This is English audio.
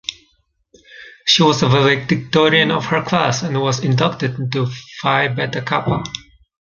She was valedictorian of her class and was inducted into Phi Beta Kappa.